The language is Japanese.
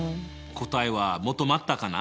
答えは求まったかな？